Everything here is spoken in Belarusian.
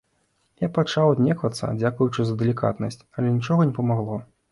Я пачаў аднеквацца, дзякуючы за далікатнасць, але нічога не памагло.